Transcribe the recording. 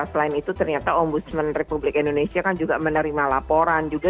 selain itu ternyata ombudsman republik indonesia kan juga menerima laporan juga